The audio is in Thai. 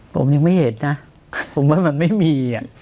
ผมยังไม่เห็นนะผมว่ามันไม่มี